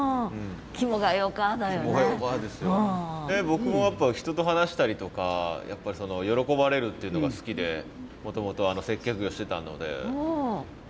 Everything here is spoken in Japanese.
僕もやっぱ人と話したりとかやっぱりその喜ばれるっていうのが好きでもともと接客業してたので。